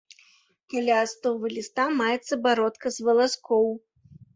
Каля асновы ліста маецца бародка з валаскоў.